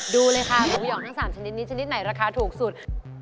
ดูเลยค่ะหมูหย่องทั้ง๓ชนิดนี้ชนิดไหนราคาถูกสุด